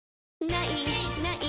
「ない！ない！